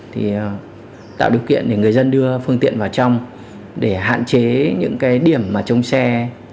thì tạo điều kiện để người dân đưa phương tiện vào trong để hạn chế những điểm mà chống xe trái phép không phép